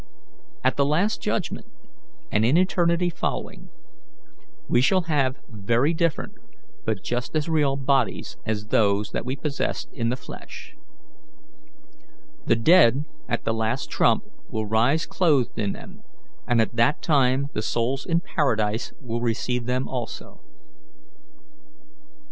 At the last judgment, and in eternity following, we shall have very different but just as real bodies as those that we possessed in the flesh. The dead at the last trump will rise clothed in them, and at that time the souls in paradise will receive them also."